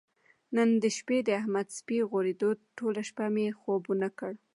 نن د شپې د احمد سپی غورېدو ټوله شپه یې مې خوب ونه کړ.